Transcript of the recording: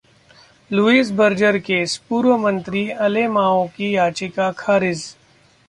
Lewis Berger case: पूर्व मंत्री अलेमाओ की याचिका खारिज